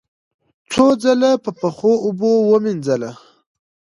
څو ځله په یخو اوبو ومینځله،